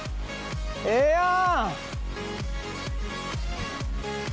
ええやん！